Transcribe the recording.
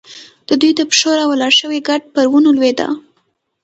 د دوی د پښو راولاړ شوی ګرد پر ونو لوېده.